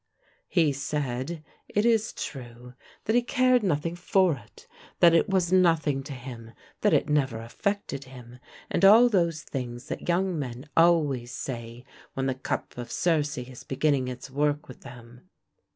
He said, it is true, that he cared nothing for it, that it was nothing to him, that it never affected him, and all those things that young men always say when the cup of Circe is beginning its work with them.